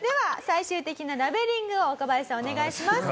最終的なラベリングを若林さんお願いします。